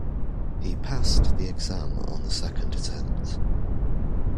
He passed the exam on the second attempt